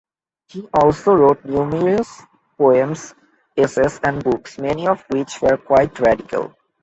He also wrote numerous poems, essays and books, many of which were quite radical.